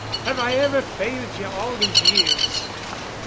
Have I ever failed ye, all these years?